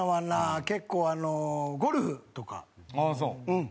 うん。